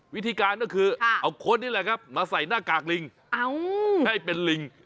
วิธีการก็คือเอาคนนี่แหละครับมาใส่หน้ากากลิงให้เป็นลิง